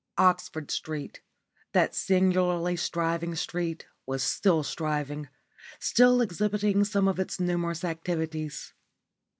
Oxford Street, that singularly striving street, was still striving, still exhibiting some of its numerous activities.